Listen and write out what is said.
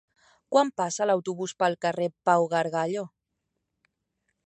Quan passa l'autobús pel carrer Pau Gargallo?